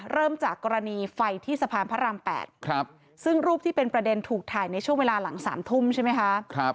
เริ่มจากกรณีไฟที่สะพานพระราม๘ซึ่งรูปที่เป็นประเด็นถูกถ่ายในช่วงเวลาหลัง๓ทุ่มใช่ไหมคะ